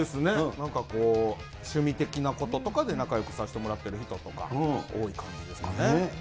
なんかこう、趣味的なこととかで仲よくさせてもらってる人とか多い感じですか